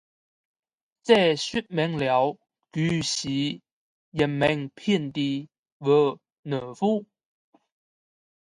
这说明了他是一名骗子和懦夫。